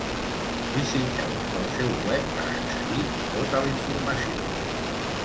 Visiteu el seu web per accedir a tota la informació.